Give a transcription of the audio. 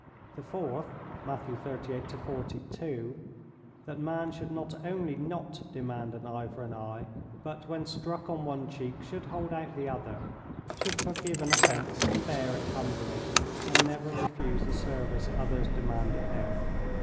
The fourth (Matt. 38 42), that man should not only not demand an eye for an eye, but when struck on one cheek should hold out the other, should forgive an offence and bear it humbly, and never refuse the service others demand of him.